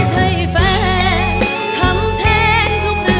ช่วยเหล่านั้นทั้งหมด